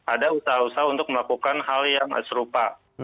ada usaha usaha untuk melakukan hal yang serupa